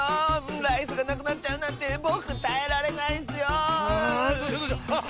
ライスがなくなっちゃうなんてぼくたえられないッスよ！